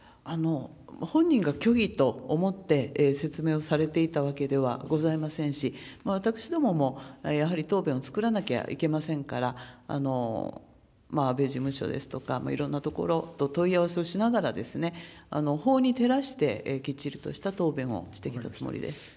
本人が虚偽と思って説明をされていたわけではございませんし、私どももやはり答弁を作らなきゃいけませんから、安倍事務所ですとか、いろんな所と問い合わせをしながら、法に照らしてきっちりとした答弁をしてきたつもりです。